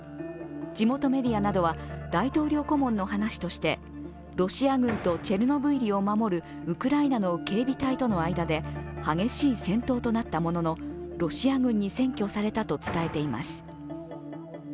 地元メディアなどは、大統領顧問の話としてロシア軍とチェルノブイリを守るウクライナの警備隊との間で激しい戦闘となったもののロシア軍に占拠されたと伝えています。